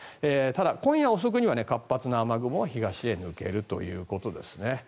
ただ、今夜遅くには活発な雨雲は東に抜けるということですね。